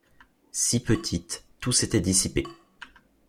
Si petite, tout s’était dissipé.